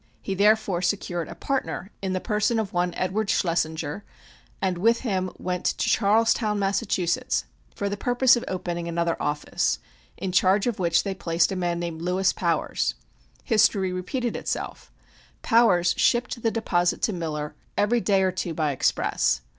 He therefore secured a partner in the person of one Edward Schlessinger, and with him went to Charlestown, Mass., for the purpose of opening another office, in charge of which they placed a man named Louis Powers. History repeated itself. Powers shipped the deposits to Miller every day or two by express.